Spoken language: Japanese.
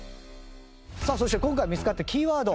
さあそして今回見つかったキーワード